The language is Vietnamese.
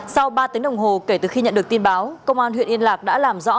sau ba tiếng đồng hồ kể từ khi nhận được tin báo công an huyện yên lạc đã làm rõ